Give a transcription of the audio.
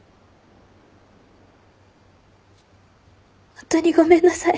本当にごめんなさい。